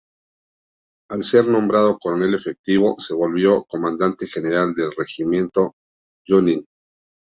Al ser nombrado coronel efectivo, se volvió Comandante General del Regimiento Junín.